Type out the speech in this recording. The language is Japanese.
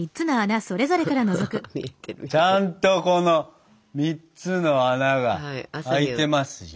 ちゃんとこの３つの穴が開いてますよ。